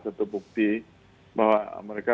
satu bukti bahwa mereka